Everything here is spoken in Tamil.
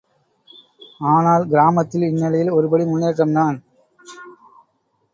ஆனால் கிராமத்தில் இந்நிலையில் ஒருபடி முன்னேற்றம் தான்.